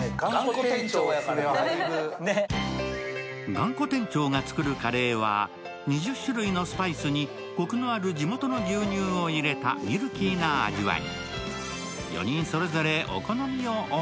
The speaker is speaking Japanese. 頑固店長が作るカレーは２０種類のスパイスにコクのある地元の牛乳を入れたミルキーな味わい。